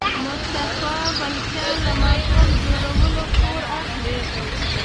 مصطفی ملکیان له مفهوم جوړولو پور اخلي.